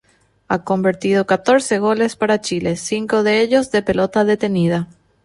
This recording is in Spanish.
Ha convertido catorce goles para Chile, cinco de ellos de pelota detenida.